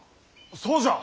そうじゃ！